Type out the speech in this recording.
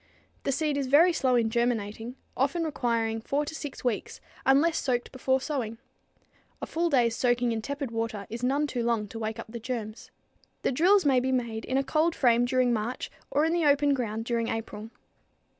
The seed is very slow in germinating, often requiring four to six weeks unless soaked before sowing. A full day's soaking in tepid water is none too long to wake up the germs. The drills may be made in a cold frame during March or in the open ground during April.